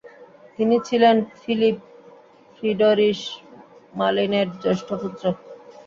তিনি ছিলেন Philip Friedrich মালিনের জ্যেষ্ঠ পুত্র।